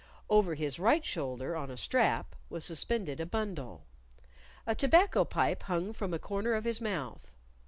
Over his right shoulder, on a strap, was suspended a bundle. A tobacco pipe hung from a corner of his mouth.